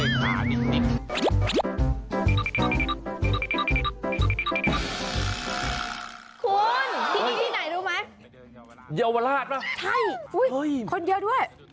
เยาวราชหรออุ้ยคนเยอะด้วยใช่